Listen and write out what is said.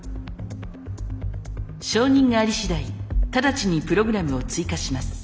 承認があり次第直ちにプログラムを追加します。